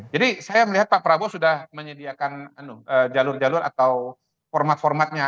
jadi saya melihat pak prabowo sudah menyediakan jalur jalur atau format formatnya